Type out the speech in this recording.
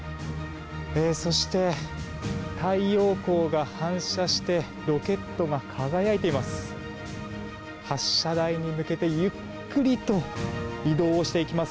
そして、太陽光が反射してロケットが輝いています。